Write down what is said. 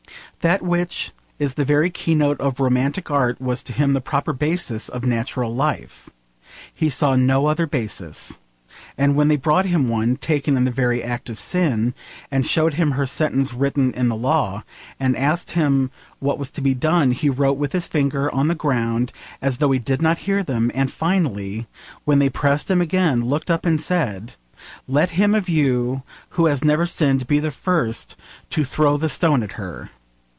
That which is the very keynote of romantic art was to him the proper basis of natural life. He saw no other basis. And when they brought him one, taken in the very act of sin and showed him her sentence written in the law, and asked him what was to be done, he wrote with his finger on the ground as though he did not hear them, and finally, when they pressed him again, looked up and said, 'Let him of you who has never sinned be the first to throw the stone at her.'